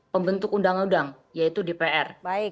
pembentuk undang undang yaitu dpr